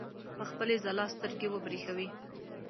په خپلې ځلا سترګې وبرېښوي.